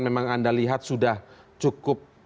memang anda lihat sudah cukup